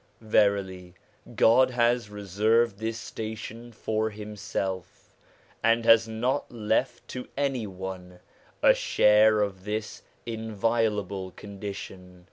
Verily God has reserved this station for Himself, and has not left to any one a share of this inviolable condition.'